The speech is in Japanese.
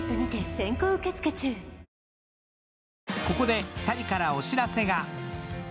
ここで２人からお知らせが。